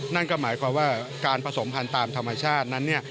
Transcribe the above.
นั่นก็หมายความว่าการผสมพันธุ์ตามธรรมชาตินั้น